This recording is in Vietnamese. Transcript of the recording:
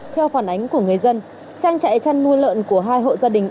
theo phản ánh của người dân trang trại chăn nuôi lợn của hai hộ gia đình